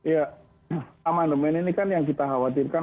ya amandemen ini kan yang kita khawatirkan